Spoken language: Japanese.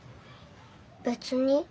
別に。